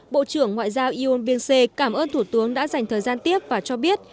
bộ trưởng ngoại giao yon byung se cảm ơn thủ tướng đã dành thời gian tiếp và cho biết